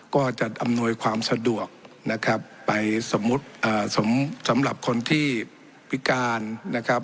ก็จะอำนวยความสะดวกนะครับไปสมมุติสำหรับคนที่พิการนะครับ